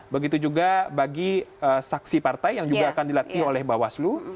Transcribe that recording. begitu juga bagi saksi partai yang juga akan dilatih oleh bawaslu